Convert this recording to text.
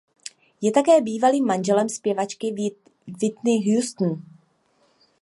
Je také bývalým manželem zpěvačky Whitney Houston.